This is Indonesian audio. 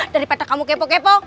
dari peta kamu kepo kepo